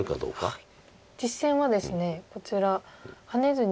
はい。